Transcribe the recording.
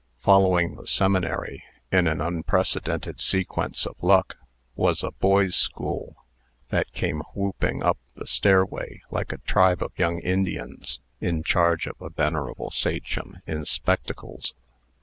Following the seminary, in an unprecedented sequence of luck, was a boys' school, that came whooping up the stairway like a tribe of young Indians, in charge of a venerable sachem in spectacles.